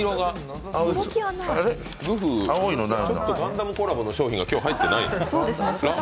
グフ、ちょっとガンダムコラボの商品が入ってない。